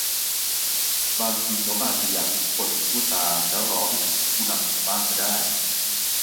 บางทีเขาอาจจะอยากสวมบทผู้ตามแล้วรอให้คุณเป็นผู้นำเขาบ้างก็ได้